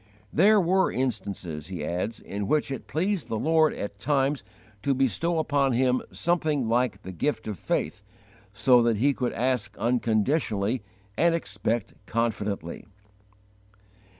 There were instances, he adds, in which it pleased the Lord at times to bestow upon him something like the gift of faith so that he could ask unconditionally and expect confidently.